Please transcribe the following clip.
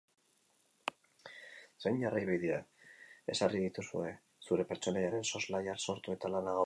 Zein jarraibide ezarri dituzue zure pertsonaiaren soslaia sortu eta lana gauzatzeko?